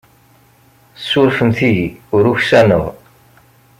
Surfemt-iyi ur uksaneɣ.